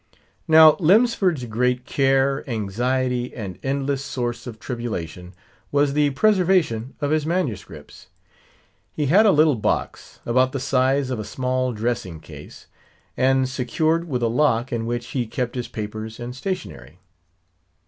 Now Lemsford's great care, anxiety, and endless source of tribulation was the preservation of his manuscripts. He had a little box, about the size of a small dressing case, and secured with a lock, in which he kept his papers and stationery.